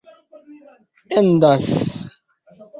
endas